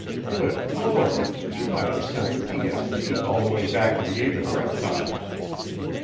Good Lord, she might have sent the TSB all the way back to the Age of Reptiles!